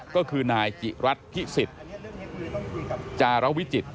ก็คือนายจิรัตนพิสิทธิ์จารวิจิตร